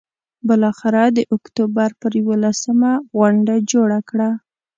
بالآخره د اکتوبر پر یوولسمه غونډه جوړه کړه.